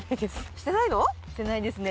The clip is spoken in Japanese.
してないですね。